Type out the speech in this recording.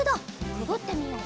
くぐってみよう。